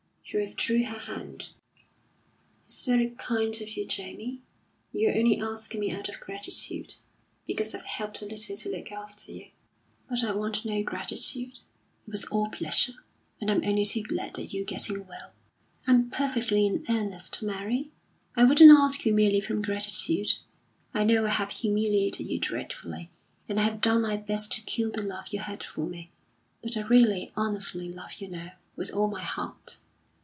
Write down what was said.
She withdrew her hand. "It's very kind of you, Jamie. You're only asking me out of gratitude, because I've helped a little to look after you. But I want no gratitude; it was all pleasure. And I'm only too glad that you're getting well." "I'm perfectly in earnest, Mary. I wouldn't ask you merely from gratitude. I know I have humiliated you dreadfully, and I have done my best to kill the love you had for me. But I really honestly love you now with all my heart.